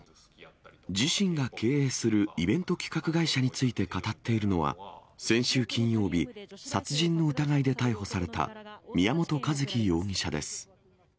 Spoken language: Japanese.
自身が経営するイベント企画会社について語っているのは、先週金曜日、殺人の疑いで逮捕された宮本一希容疑者です。